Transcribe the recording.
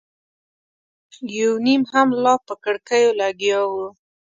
یو نيم هم لا په کړکيو لګیا و.